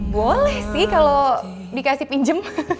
boleh sih kalau dikasih pinjem